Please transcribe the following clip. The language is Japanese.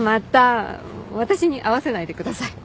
私に合わせないでください。